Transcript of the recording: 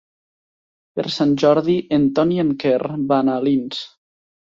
Per Sant Jordi en Ton i en Quer van a Alins.